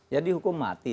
ya dihukum mati